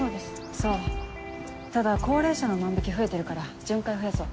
そうただ高齢者の万引増えてるから巡回増やそう。